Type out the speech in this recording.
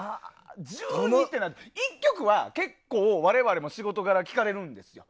１２って１曲は結構我々は仕事柄聞かれるんですよ。